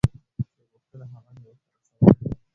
چې غوښتل هغه مې ورته رسول.